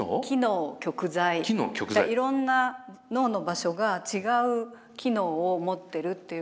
いろんな脳の場所が違う機能を持ってるっていうことなんですね。